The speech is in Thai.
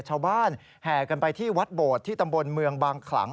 ชาวบ้านแห่กันไปที่วัดโบดที่ตำบลเมืองบางขลัง